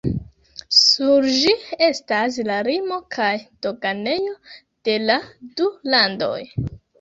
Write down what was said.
Sur ĝi estas la limo kaj doganejo de la du landoj.